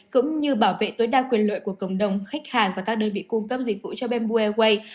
cũng như bảo vệ tối đa quyền lợi của cộng đồng khách hàng và các đơn vị cung cấp dịch vụ cho bamboo airways